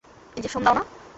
Injection দাও না।